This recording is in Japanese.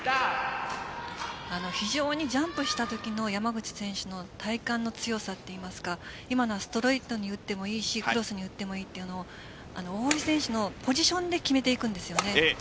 非常にジャンプしたときの山口選手の体幹の強さといいますか今のストレートに打ってもいいしクロスに打ってもいいというのを大堀選手のポジションで決めていくんですよね。